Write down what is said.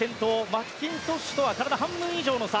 マッキントッシュとは体半分以上の差。